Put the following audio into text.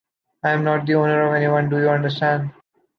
I'm not the owner of anyone, do you understand?